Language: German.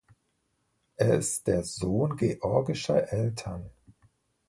Er ist der Sohn georgischer Eltern.